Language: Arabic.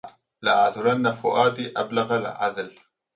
لأعذلن فؤادي أبلغ العذل